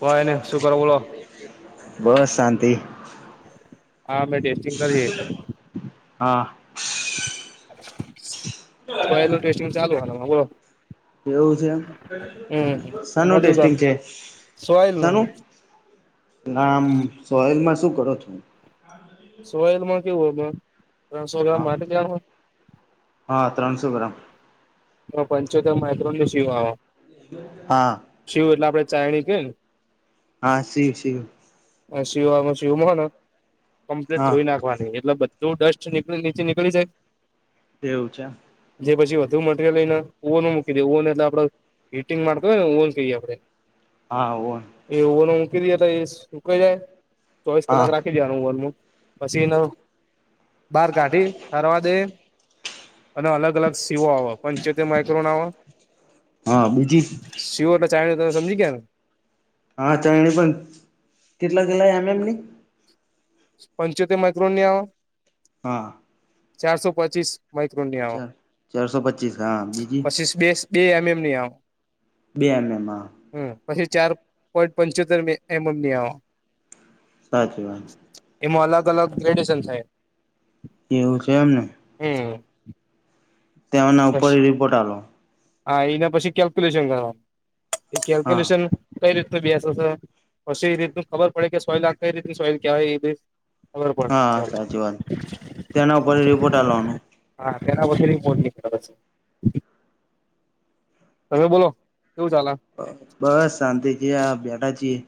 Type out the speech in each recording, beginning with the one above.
કોઈ ને શું કરો બોલો બસ સાા હા મેં ટેસ્ટિંગ કરી. હા. પ ટેસ્ટિંગ ચાલુ હ. એવું છે એમ સનું તમાર કેવું ટેસ્ટિંગ ચાલે છે સોયલ નું સનું. આમ સોયલમાં શું કરો છું. સોયલમાં કેવું હ ત્રણસો ગ્રામ હા આ ગામ. હા ત્રણસો ગ્રામ. પંચોતર માત્ર્રો ન શિવા. હા. શિવવ એટલે આપડે ચાયણી કે ને. હા શીિવું શીિવું. સી સીવમાંને કમ્પ્લીટ હા ધોઈ નાખવાની એટલે બધ. જો ડસ્ટ નીળ નીચે નીળી જાય. એવું છે. જે પછી વધુ મળ. લઈને ઓવન મૂકી દેએ ઓવન એટલે આપડ હિટિંગરતો હોયને ઓવન કહીએ આપડ હા. [unintelligible] એ ઓવો ન મૂકી દ તો એ સુકાઈ જાય ચોવીસ હા કલાક રાખી. નુંલ પછી એને બાર કાઢી તારવાદ એ. અને અલગ અલગ સીવો આવ. ક્રોર હા બીજી સમજી ગયાને. હા ચરણી પણ કેટલા કલા એમ એમની. પંચોતે માઇક્રોન ની આવે. હા. ચારસો પચીસ માઈક્રોન ચાલ ચારસો પચીસ હા બીજી પછીસ બે. બે એમ એમ નહ આ. બે એમ એમમાં. હ પછી ચાર પોઈન્ટ પંચોતેર એમમની આવ. સાચી વાન. એમાં અલગ અલગ ગ્રેડેશન છેાય. એવું છે એને. હમ. તેના ઉપર રિપોર્ટ આલો. હા એના પછી કેલ્ક્યુલેશન કરવાનું એ હા કેલ્ક્યુલેશન કઈ રીત ન બેસ હશે પછી એ રીત ખબર પડે કે સોલ આ કઈ રીતની સોઈલ કવાય એ બી. હા સાચી વાત તેના ઉપર રિપોર્ટ આ લવાનો. હા મેરાછ બ મોટની પછ. તમે બોલો કેવું ચાલે. બસ શાંતિજી આ બેડાા જીએ.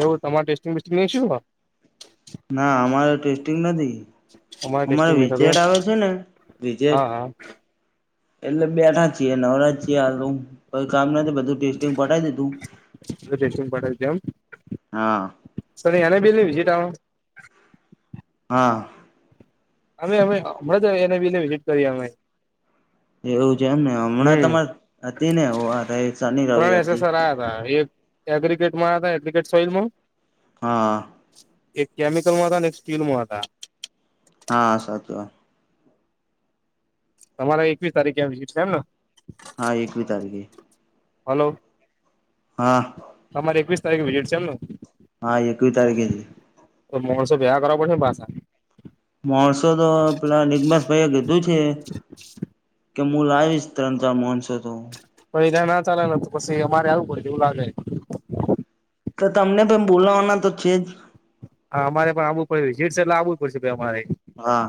એવું તમા ટેસ્ટિંગ વસ્ટિંગ નઈ શું. ના અમારે ટેસ્ટિંગ નથી. અમારે ટેસ્ટિંગ નહી વિજેટ ખબર આવે છે ને વિજેટ હા હા એટલે બેઠ. ી નવરાજ છીએાલ કામ નથી બધું ટેસ્ટિંગ પઠી દીધું. [unintelligible] મ હા સર એને બીલી વિઝિટ આવ. હા. અમે અમે હમણાં તો એને બીને વિઝિટ કરીએ અમે. એવું છે એમ ને હમણાં હમ તમારે હતી ને રસાની રવ હતી. [unintelligible] સોલમાં. હા. એક કેમિકલ હતા અને એક સ્ટીલ માં હતા હા સાચુ તમારે એકવી તારીખે આવી તી કેમ હા, એકવી તારીખે. હલો. હા. તમારે એકવીસ તારીખે વિઝિટ છે એમને. હા, એકવીસ તારીખે જ. મોમોસે બિહા કરવા પડશે ભા. માણસો તો પેલા નિરમશ ભાઈ લીધું છે. હ. કે હું લાવીશ તણજા મોનસે તો. પણ એ ન્યાય ચાલેને, તો પછી અમારે આવું પડે એવું લાગે. તો તમને પણ બોલાવાના તો છે જ. હા, અમારે પણ આવવું પડશે. કેસે તો આવવું પડશે ભાઈ, અમારે. હા.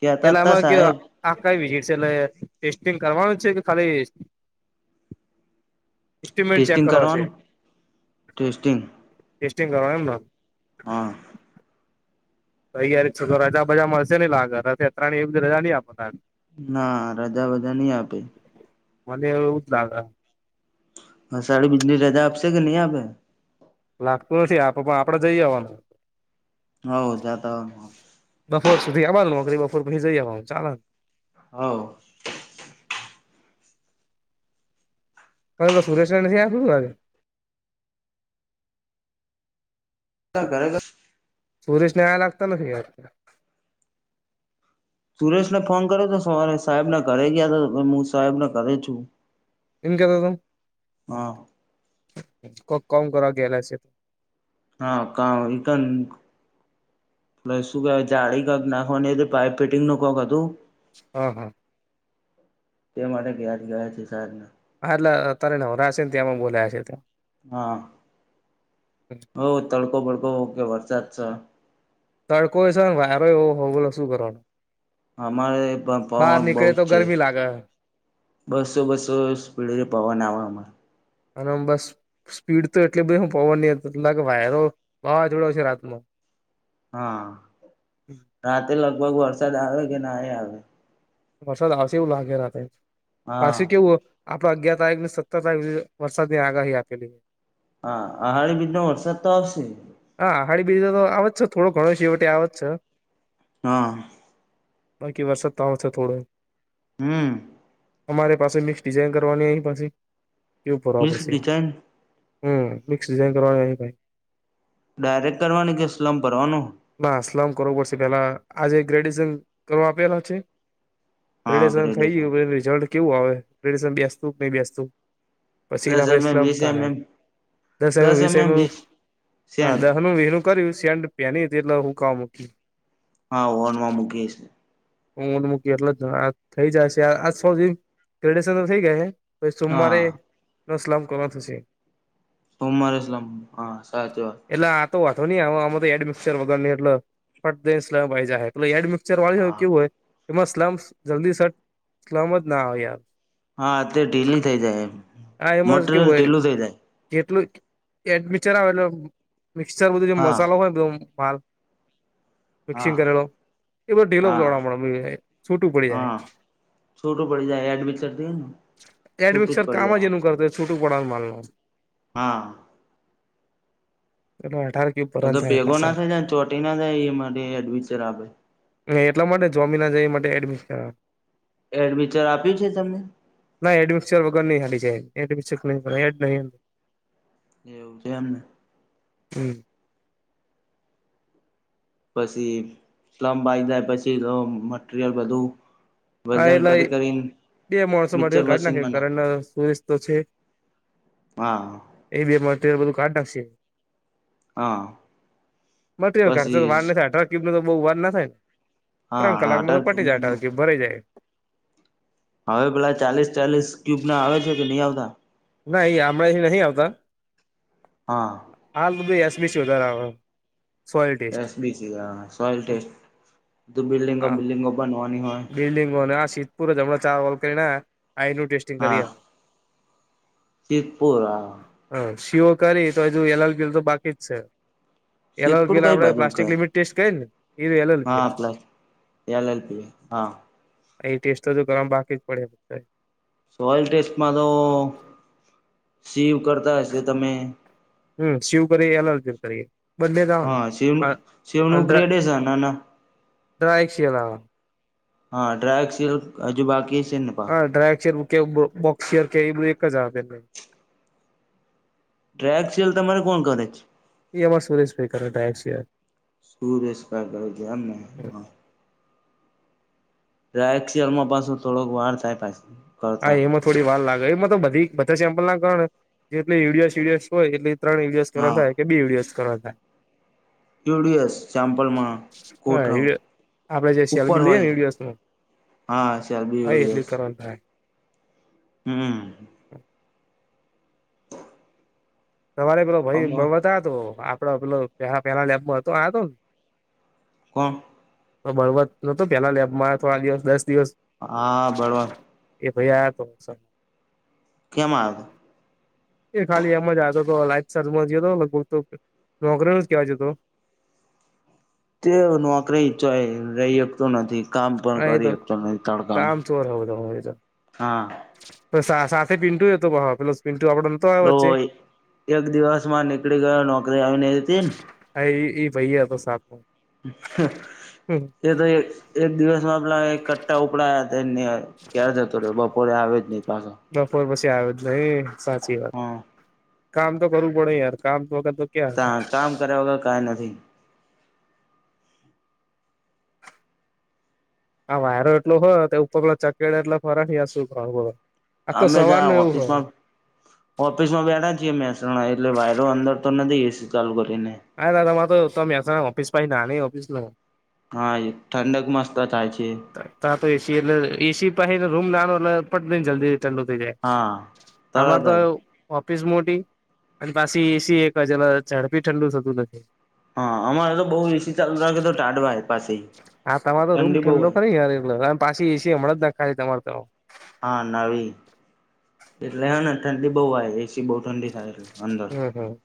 કેતા તા એલામાં ગયા. સાહેબ આ કંઈ વિઝિટ છે એટલે ટેસ્ટિંગ કરવાનું છે કે ખાલી? એસ્ટિમેટ ચેક ટેસ્ટિંગ કરવા છે. કરવાનું ટેસ્ટિંગ ટેસ્ટિંગ કરવા એમ. હા. તૈયાર શું કરવાના છો? રજા-બજા મળશે નહિં લાગ ને? શેઠાણી રજા નહીં આપે. ના રજા બધા નહીં આપે. મને એવું જ લાગે. અષાઢી બીજની રજા આપશે કે નહીં આપે. લાગતું નથી આપે, પણ આપડે જઈ આવવાનું. હા, જતા આવજો. બપોર સુધી આવવાનું, નોકરી બપોર પછી જઈ આવવાનું ચાલે. હ. હવે સુરેશ ને નથી આપ્યું, રાજી ઘરે સુરેશ ને આયા લાગતા નથી. સુરેશ ને ફોન કરો તો સવારે સાહેબના ઘરે ગયા તો, હું સાહેબ ના ઘરે જ છું. એમ કેતો હતો. હા. કોબ કમ કરવા ગયેલા છે. હા, કા રિટર્ન. શું કેહેવાય? જાળી ક નાખવાની હતી પાઇપ ફેટિંગ નું કરવાનું હતું. હા. તે માટે ગયા જ છે સાહેબ. હા, એટલે અત્યારે નવરા હશે ને, ત્યાં માં બોલાયા છે. હા હો, તડકો બડકો ઓકે, વરસાદ છે. તડકો હોય છે ને, વારો એવો હો બોલો શું કરવાનો? અમારે પણ પવન બહુ નીકળે જ તો છે. ગરમી લાગે બેસો બેસો સ્પીડ પવન આવે. અને બસ સ્પીડ તો એટલે બધી પવન નહીં, વાયરો, વાવાઝોડો છે રાત હા, રાતે લગભગ વરસાદ આવે કે ના આવે. વરસાદ આવશે એવું લાગે, રાત્રે હા પાછું કેવું હોય. આપડે અગિયાર તારીખ ને સત્તર તારીખ વરસાદની આગાહી આપેલી. હા આહાળી બીજ નો વરસાદ તો આવશે હા આહાડી બીજ તો આવે જ છે થોડો ઘણો છેવટે આવે જ છે હા. બાકી વરસાદ તો આવે છે થોડો. હમ. અમારે પાસે મિક્સ ડિઝાઇન કરવાની, અહીં પાસે એ ફરવા મિસ પડશે. ડિઝાઇન હમ, મિક્સ ડિઝાન કરવાની એ. ડાયરેક્ટ કરવાની કે સ્લમ ભરવાનું ના આલામ કરો પડષ પેલા આજે ગ્રેજ્યુએશન કરવા આપેલા છે ગ્રેડેશન થઈ ગયું રિઝલ્ટ કેવું આવે ગ્રેડન બેસતું કે નહી બેસતું દસ પસીના એમએમ વીસ પરઈસ્લામતાહેૈ એમએમ દસ એમ વીસે એમ એમએમ વીસ હા સેન્ડ દસ નું વીસ નું કર્યું સેડ પેની એટલે હું કામ મૂકી હા ઓનમાં મુકે છે હટ મૂકી એટલે જ થઈ જાયશે આ સ કડેશન તો થઇ ગાય છે હ સોમવારે હા ન સ્લામ કર થશે બમરઇસ્લમ હા સાચ વાત એટલે આ તો વાતો નઈ આમાં તો એડ મિક્સચર વગર ની એટલે પડેમાઈાય તું એડ મિક્ચર વાળી હા કેવું હોય એમાં સલામ જલ્દી સ સલામ જ ના આવેાર હા તે ઢીલ થઈ જાય આ એમાં કેવું મટીરિયલ હોય ઢીલું થઇ જાય જેટલું એડ મિક્ચર આવે એટલે મિક્ચર બધું હા મસાલો હોય બ માલ હા મિક્સિંગ કરેલો એ બધો ઢીલો હા છૂટું પડી જાય છોટું પડી જાય એડમિતી ને છોટું જ પડી જાય છોટું પડ માર નો હા એ અઠાર ક ઉપર હ તો પેગો ના થાય જ ને ચોટી ના થાય એ માટે એડવેન્ચર આપે એટલા માટે જમી ના જાય માટે એડમિશન કરવા એડમિચન આપ્યું છે તમને ના એડમિચર વગર નહ હા જાય એડ ન એવજે એમને હમ પછી સ્લબ જાય પછી મટરિયલ બધું હા વજન એટલા કરી કરીને બે માણસો મિક્ચર માટે ઘાટ નાખી મશીનમાં નાખ કારણ સુરિ છે હા એ બી અમાયલ બધું કાર્ડ નાખશે હા મટરિયલ ખર્ચ પછી તો વાળ થ ટ ક્યુબ ન તો બહુ વાર ના થાય ને હા ત્રણ હા કલાક માં અઢાર તો પટી ક્યુબનું જાય ક્યુબ ભરાઈ જાય હવે પેલા ચાલીસ ચાલીસ ક્યુબ ના આવે છે કે નહી આવતા ના એ હમણાં નહી આવતા હા હાલ તો ભાઈ યસ વીશ વધાર આવે soil test. S B soil test બિલ્ડિંગો બિલ્ડિંગો બનવાની હોય ફીરીગ અને આ શીધપુર જમણા ચાર ઓલ કરીને આઈ ન ટેસ્ટિંગ કરી ત્રિપુરા હ શીઓ કરી તો હજુયલાલ ગીલ તો બાકી જ છે એલા સિદ્ધપુર પેલા કઈ આપણે બાજુ પ્લાસ્ટિક ઘર લિમિટ ટેસ્ટ કરી ને એ એલ એલ પી હા પ્લસ એલ એલ પીએ હા એ ટેસ્ટ તો ગરમ બાકી જ પડે સોઇલ ટેસ્ટમાં તો સીવ કરતા હશે તમે હમ શિવવ કરીએ એલર્જી કરીએ બંને જ આવે ને હા શૈનું શૈવનું ગ્રેડ છે ના ના. ડ્રાયક્ષીલા. હા ડ્રાયસિલ હજુ બાકી છે ને. પા હા ડ્રાયગ ચેર કે બોક્સેર કે એ બધું એક જ નહી. ડ્રગ સલ તમામેરે કોણ કરે છે. એ અમાં સુરેશભાઈ ટાય છે. સુરશ ક કર છેમને હ. રાાયક્ષરમાં પાછો થોડોક વાર થાય પાછી. હા કરતા એમાં થોડી વાર લાગે એમાં તો બધી બધા સેમ્પલ ના ગણ જેટલે યરયસયસ હોય એટ. ત્રણ ઈડીએસ કર થાય કે બે ઈડીએસ કરવા થાય. હા. યુડીએસ ચેમ્પલમાં ગોઠવ આપડે જે ઉપર સેલ્ફી લઈએ ને હોય. વિડીયોસમાં હા શાર બી હા ઉડી એટલી હસ. કરવા હા. હ. તમારે પેલો અમ ભાઈ બતા તો આપડો પેલો પલા પેલા લેબમાં હતો આ હતો. કોણ. તો બળવત નોતો પેહલા લેબમાં થોડા દિવસ દસ દિવસ. હા બળવાન. એ ભાઈયા તો. કેમ આવ. એ ખાલી એમ જ આવ તો તો લાઈફ સલમાંયો હતો લગભગ નોકરી ન જ કેહેવાય તો. તે નોકરી ઈચ્છ રહી શકતો નથી. કામ પણ આ એ કરી શ તો ન તડકાનું કામ ચોર હા. સાથે પીન્ટું એ તો પેલ પીન્ટુ આપડ. તો એક દિવસ માં નીકળી ગયો નોકરી આવી ન હતી ને. અ એ ભયયા તો સા. એ તો એક એક દિવસમાં પલા એક કટ્ટા ઉપડાયા હતા. ને ક્યારે જતો રહે બપોરે આવે જ નહી પાછો. બપોર પછી આવે જ ન સાચી વાત હા. કામ તો કરવું પડે યાર કામ તો વખત. તા કામ કર્યા વગર કાંઈ નથી. આ વાયરો એટલો હોય ઉપર ચકેડા એટલે ફરાઠ શુંો. આ તો સવાર ન એવું હોય. ઓફિસ માં બેઠ છીએ મહેસાણા એટલે વાયરો અંદર તો નથી એસી ચાલ કરીને. હા દાદામાં તો તમે ઓફિસ પા નાની ઓફિસ લઉ. હા ઠંડક મસ્ત ચાાય છે. ત્યા તો એસી એટલે એસી પસેને રૂમ નાનો એટલે પટને જલ્દી. લ થ જાય હા આમાર તરત તો. જ ઓફિસ મોટી અને પાછી એસી એકજ ઝડપી ઠંડુ થતું નથી. હા અમારે તો બહુ એસી ચાલુ રહ કે તો ટાઢવા. પાસે હા તમારો તો રૂમ ઠંડી બહુ ઠંડો હોય ખે યાર એટમે પાછી એસી હમણાં જ નાખ ખા તમારે તો. હા નવી એટલે હ ને ઠંડી બહુ આવે એસી બહુ ઠંડી થાય એટલે. અંદર હમ હમ.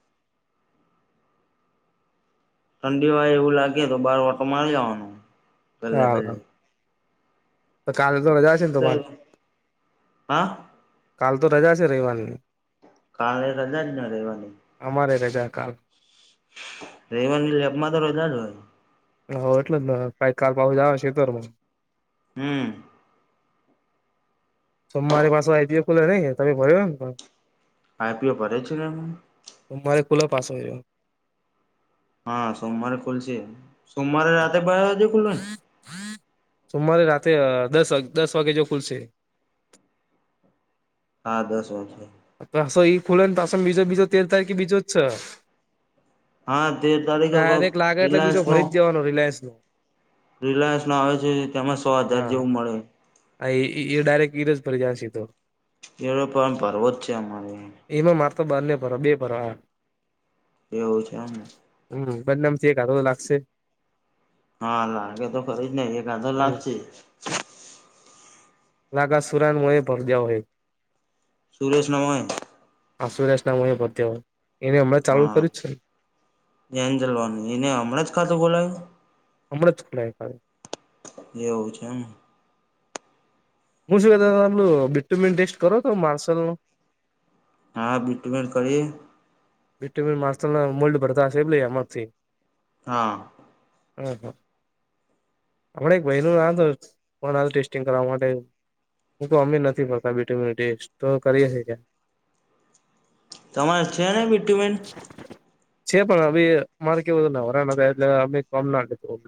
ઠંડી વાય એવું લાગે તો બાર વટો મારી લવાનો પલે હા પલે. કાલે તો રજા છે ને તમારે હા કાાલ તો રજા છે રિવાનીની. કારણણે સદા જ ન રહેવાની. અમારે રજા કાલ. રવવાની લેપમાં તો રજા જ હોય. હ એટલે જ કઈ કાલ પાઉસ જવા છે તોરને. હમ. સોમવારે પાછો આ આવી દયો ખુલે નને તમે ભરયો તો પાઈ પીયો પ છે એ હ મારે કુલો પાસ હોયો હા સોમવારે ખુલશે સોમવારે રાતે બાર વાજે ખુલવા ને સોમવારે રાતે દસ દસ વાગે જો ખુલશે હા દસ ઓ છેે પાસો એઈ ખુલે ને પા બીજો બીજો તેર તારીખ બીજો જ છે હા તેર તારીખે કરેક લાગે એટલે બીજો રિલાયન્સ નો ભરી જ જવાનો રિલાયન્સ નો રિલાયન્સ નો આવે છે તેમાં સો હજાર જેવું મળે અ ડરેક્ટ એ રજ પરી જાાસસ્ી હતું એ રૂપાય પણ પરવો છે્યામારી એમાં મારતો બારને પ બે પ આ એવું છેને હમ બંનેમથી આો તો લાગશે હા લાગે તો ખરી જ નહી એ કાંધો હમ લાગશે નાગ સુુર મુ ભરજઓય સુરેશ નમય આશુરાશ નામું એ બધ્ય એને હમણાં ચાલુ કર્યું છે ને એન્જલવાની એને હમણાં જ ખાતે બોલાય હમણાં જ ખુલા જેવું છે એમ હું શું ક તું બીટ્ટુંન ટેસ્ટ કરો તો માર્સલ નો હા બિટમેિટ કરી વિટ મા મલ્ડ ભરતા હશે એ લ અમથી હા હમ હમ હમણા એક ભ ન ના હત ના ટેસ્ટિંગ કરવા માટે હું તો અમે નથી ફતા બટ ટેસ્ટ તો કરીએી તમારે છેવા ને બિટટી મેન છે પણ અ મારે કેવુંું ન વરાના હતા એટલે અમે કમ ના લીધું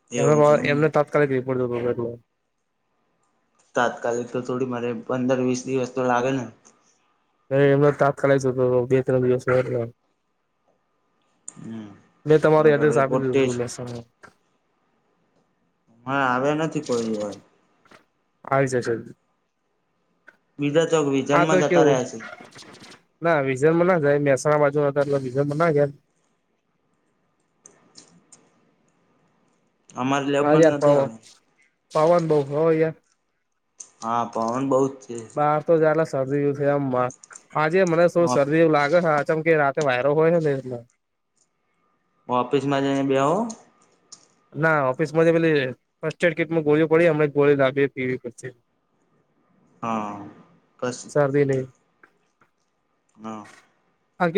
તો એમ એમને તાત્કાલિક રપડ એટલે તાત્કાલિક તો થોડી મારે પંદર વીસ દિવસ તો લાગે ને અ એમનો તાપ ચલા હતો બે ત્રણ દિવસ હમ મેં તમારો નગર એડ્રેસ આપી રિપોર્ટ દીધો હતું ટેસ્ટ લસ હા આવ્યા નથી કોઈવાય આવી આવી જશે બીજા ચોક આ તો વિઝનમાં જતા કેવું રહ્યા છે ના વિઝનમાં ના જાય મહેસાણા બાજુ ન હતા એટલે વિઝનમાં ના ગાય અમારી હા લેબમાં યાર નથી પવન આવ્યા પવન બઉ હો યાર હા પવન બહ જ છે તો શરદીમ આજે મને શું શરદી એવું લાગે છેમ કે રા વાયરો હોય ને એટલે વાપસમાં જ બ બે હો ના ઓફિસમાં પેલી ફસ્ટ એડ કીટમાં ગોળ પડી હમ ગોળી લાવીએ પીવી પી હા કશ કર દને હા